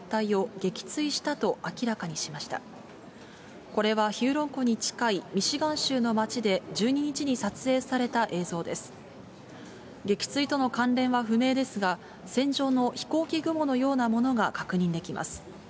撃墜との関連は不明ですが、線状の飛行機雲のようなものが確認できます。